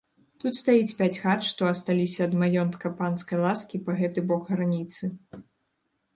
Тут стаіць пяць хат, што асталіся ад маёнтка панскай ласкі па гэты бок граніцы.